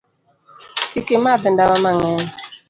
Kik imadh ndawa mang'eny.